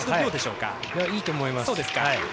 いいと思います。